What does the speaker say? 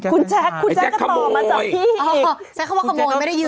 คุณแจ๊กก็ตลอดมาจากพี่